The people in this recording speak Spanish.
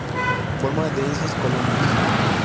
Forma densas colonias.